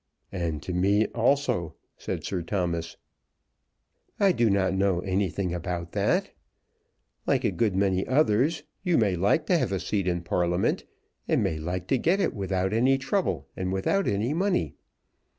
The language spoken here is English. "And to me also," said Sir Thomas. "I do not know anything about that. Like a good many others, you may like to have a seat in Parliament, and may like to get it without any trouble and without any money.